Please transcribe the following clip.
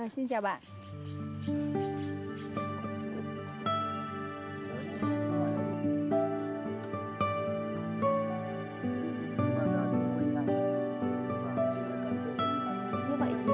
xin chào bạn